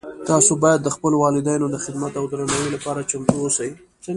تاسو باید د خپلو والدینو د خدمت او درناوۍ لپاره تل چمتو اوسئ